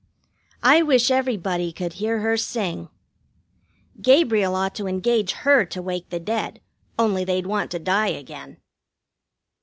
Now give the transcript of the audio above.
I wish everybody could hear her sing! Gabriel ought to engage her to wake the dead, only they'd want to die again.